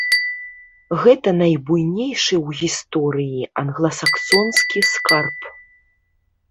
Гэта найбуйнейшы ў гісторыі англасаксонскі скарб.